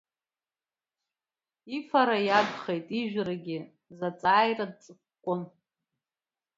Ифара иагхеит, ижәрагьы, заҵааира дҵыкәкәон.